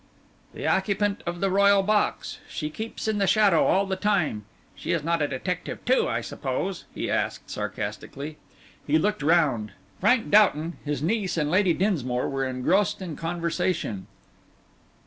"The occupant of the royal box. She keeps in the shadow all the time. She is not a detective, too, I suppose?" he asked, sarcastically. He looked round. Frank Doughton, his niece and Lady Dinsmore were engrossed in conversation.